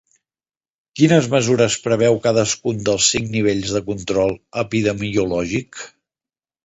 Quines mesures preveu cadascun dels cinc nivells de control epidemiològic?